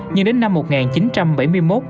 nhưng đến năm một nghìn chín trăm bảy mươi một